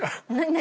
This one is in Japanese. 何？